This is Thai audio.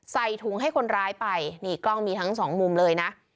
ใส่ถุงให้คนร้ายไปนี่กล้องมีทั้งสองมุมเลยนะ